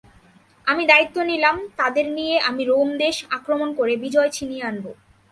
আমি দায়িত্ব নিলাম, তাদের নিয়ে আমি রোম দেশ আক্রমণ করে বিজয় ছিনিয়ে আনব।